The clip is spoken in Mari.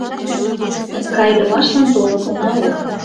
Кайыдымашлан толын она ул.